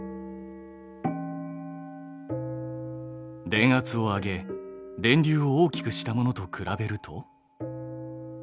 電圧を上げ電流を大きくしたものと比べると。